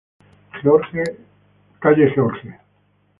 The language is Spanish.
Georg, St.